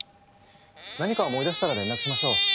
何か思い出したら連絡しましょう。